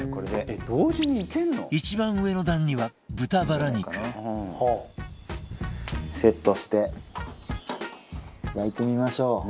一番上の段には豚バラ肉セットして焼いてみましょう。